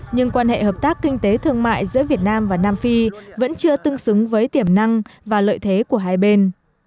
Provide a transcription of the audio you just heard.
nhưng quan hệ hợp tác kinh tế thương mại giữa việt nam và nam phi vẫn chưa tương xứng với tiềm năng và lợi thế của hai bên